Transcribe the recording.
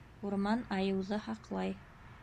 Урман айыуҙы һаҡлай.